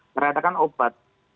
ternyata kan obat